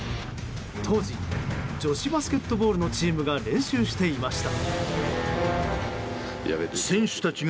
当時、女子バスケットボールのチームが練習していました。